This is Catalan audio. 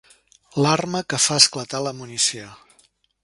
L'arma que fa esclatar la munició.